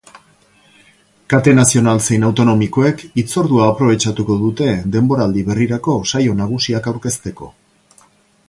Kate nazional zein autonomikoek hitzordua aprobetxatuko dute denboraldi berrirako saio nagusiak aurkezteko.